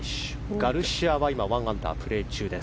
ガルシアは１アンダープレー中です。